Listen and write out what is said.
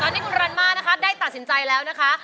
ตอนนี้คุณรันมานะคะได้ตัดสินใจแล้วนะคะ